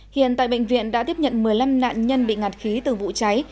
hiện tại bệnh viện đã tiếp nhận một mươi năm nạn nhân bị ngạt khí từ vụ cháy